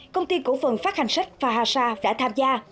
công ty cổ phần phát hành sách phahasa đã tham gia